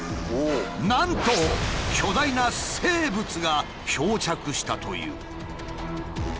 なんと巨大な生物が漂着したという。